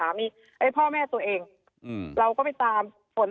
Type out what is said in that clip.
และพ่อแม่ตัวเองเราก็ไปตาม